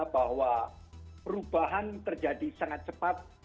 bahwa perubahan terjadi sangat cepat